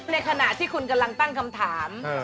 ในขณะที่คุณกำลังตั้งคำถาม